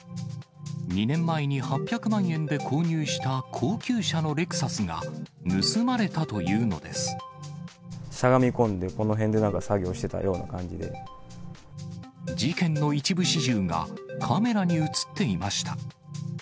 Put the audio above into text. ２年前に８００万円で購入した高級車のレクサスが盗まれたというしゃがみ込んで、この辺でな事件の一部始終が、カメラに写っていました。